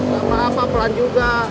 gak apa apa pelan juga